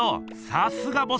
さすがボス！